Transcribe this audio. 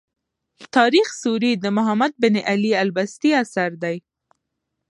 تاریخ سوري د محمد بن علي البستي اثر دﺉ.